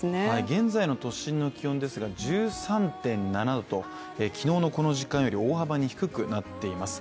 現在の都心の気温ですが１３．７度と昨日のこの時間より大幅に低くなっています。